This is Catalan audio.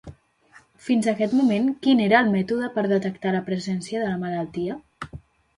Fins aquest moment, quin era el mètode per detectar la presència de la malaltia?